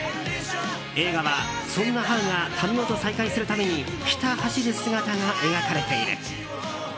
映画は、そんなハウが民夫と再会するためにひた走る姿が描かれている。